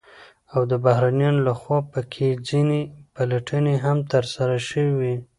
او د بهرنيانو لخوا په كې ځنې پلټنې هم ترسره شوې،